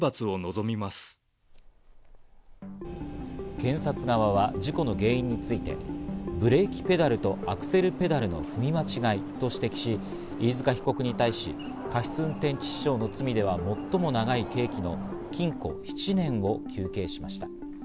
検察側は事故の原因について、ブレーキペダルとアクセルペダルの踏み間違いと指摘し、飯塚被告に対し、過失運転致死傷の罪では最も長い刑期の禁錮７年を求刑しました。